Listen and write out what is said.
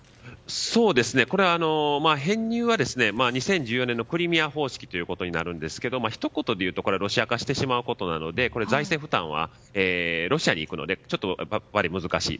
これは編入は２０１４年のクリミア方式といいますかひと言でいうとロシア化してしまうことなので財政負担はロシアにいくのでやっぱり難しい。